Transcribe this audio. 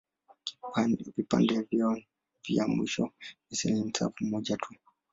Vipande vyao vya mwisho vya seli ni safu moja tu.